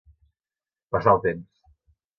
Passar el temps.